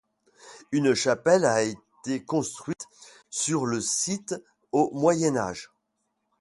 Une chapelle a été construite sur le site au Moyen Âge.